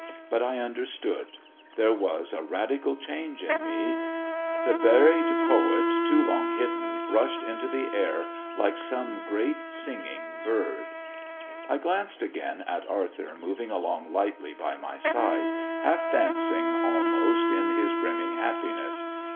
But I understood. There was a radical change in me. The buried poet, too long hidden, rushed into the air like some great singing bird. I glanced again at Arthur moving along lightly by my side, half dancing almost in his brimming happiness.